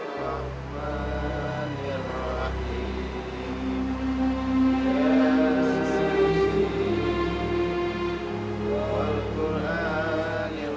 sampai jumpa di desa doyong